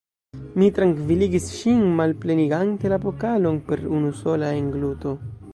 Mi trankviligis ŝin, malplenigante la pokalon per unu sola engluto.